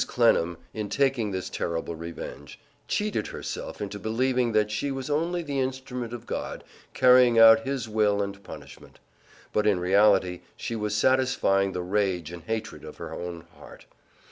Clennam, in taking this terrible revenge, cheated herself into believing that she was only the instrument of God, carrying out His will and punishment. But in reality she was satisfying the rage and hatred of her own heart.